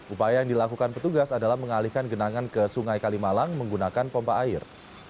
upaya yang dilakukan petugas adalah mengalihkan genangan ke sungai kalimalang menggunakan pompa air